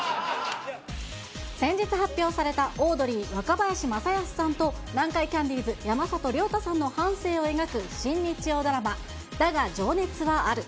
先日発表されたオードリー・若林正恭さんと南海キャンディーズ・山里亮太さんの半生を描く新日曜ドラマ、だが、情熱はある。